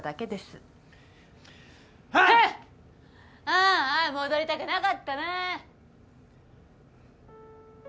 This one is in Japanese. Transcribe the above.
ああ戻りたくなかったなぁ！